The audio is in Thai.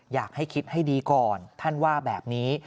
อยากให้คิดให้ดีก่อนท่านว่าแบบนี้